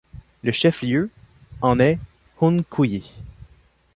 Le chef-lieu en est Hunkuyi.